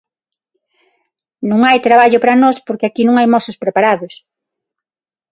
Non hai traballo para nós porque aquí non hai mozos preparados.